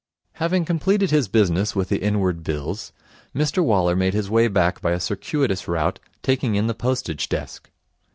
Having completed his business with the Inward Bills, Mr Waller made his way back by a circuitous route, taking in the Postage desk.